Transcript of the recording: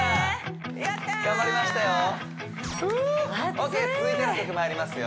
ＯＫ続いての曲まいりますよ